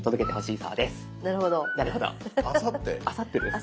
あさってです。